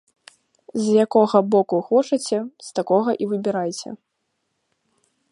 З якога боку хочаце, з такога і выбірайце.